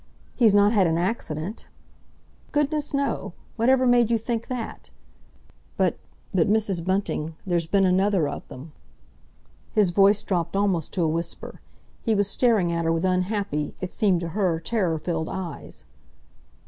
He's not had an accident?" "Goodness, no! Whatever made you think that? But—but, Mrs. Bunting, there's been another of them!" His voice dropped almost to a whisper. He was staring at her with unhappy, it seemed to her terror filled, eyes.